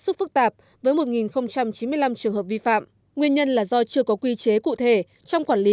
sức phức tạp với một chín mươi năm trường hợp vi phạm nguyên nhân là do chưa có quy chế cụ thể trong quản lý